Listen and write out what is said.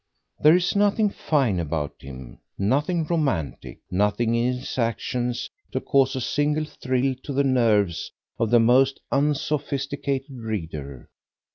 There is nothing fine about him, nothing romantic; nothing in his actions to cause a single thrill to the nerves of the most unsophisticated reader.